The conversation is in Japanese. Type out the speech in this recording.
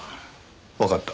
わかった。